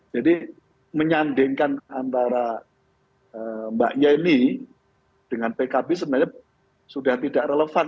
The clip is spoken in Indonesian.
jadi menyandingkan antara mbak yeni dengan pkb sebenarnya sudah tidak relevan